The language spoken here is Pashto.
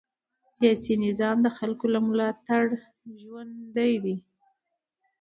سیاسي نظام د خلکو له ملاتړ ژوندی دی